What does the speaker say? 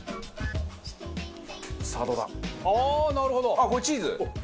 あっこれチーズ？